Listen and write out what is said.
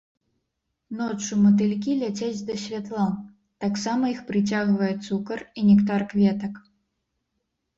Ноччу матылькі ляцяць да святла, таксама іх прыцягвае цукар і нектар кветак.